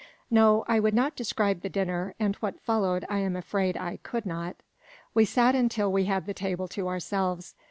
No; I would not describe the dinner, and what followed I am afraid I could not. We sat until we had the table to ourselves.